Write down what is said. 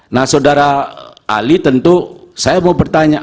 nah saudara ali tentu saya mau bertanya